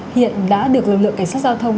hiện đã được lực lượng cảnh sát giao thông